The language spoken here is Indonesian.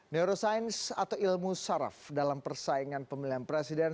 neuroscience atau ilmu saraf dalam persaingan pemilihan presiden